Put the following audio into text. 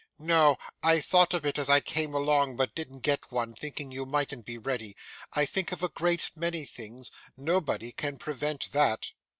'No; I thought of it as I came along; but didn't get one, thinking you mightn't be ready. I think of a great many things. Nobody can prevent that.